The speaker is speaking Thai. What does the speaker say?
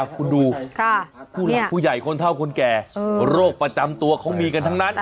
คุณดูผู้หลักผู้ใหญ่คนเท่าคนแก่โรคประจำตัวเขามีกันทั้งนั้น